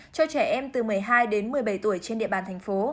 cho trẻ em từ một mươi hai đến một mươi bảy tuổi trên địa bàn thành phố